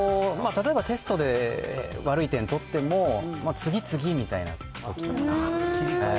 例えばテストで悪い点取っても、次、次みたいな。